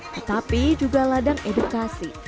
tetapi juga ladang edukasi